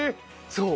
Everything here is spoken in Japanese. そう。